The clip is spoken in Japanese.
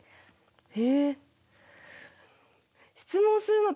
へえ。